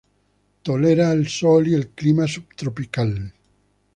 Tolera el sol y el clima subtropical.